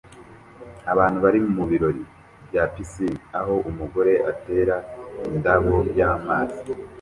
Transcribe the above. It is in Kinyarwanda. Abantu bari mubirori bya pisine aho umugore atera indobo y'amazi